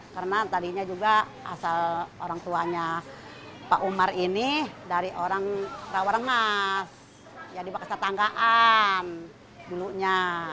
karena tadinya juga asal orang tuanya pak umar ini dari orang rawa remas jadi kesetanggaan dulunya